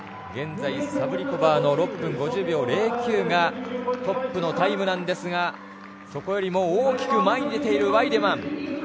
現在、サブリコバーの６分５０秒０９がトップのタイムなんですが、そこよりも大きく前に出ているワイデマン。